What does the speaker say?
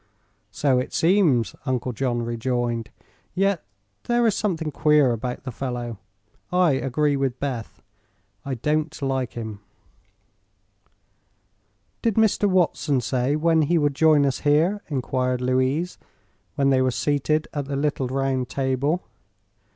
"So it seems," Uncle John rejoined; "yet there is something queer about the fellow, I agree with Beth; I don't like him." "Did Mr. Watson say when he would join us here?" enquired Louise, when they were seated at the little round table.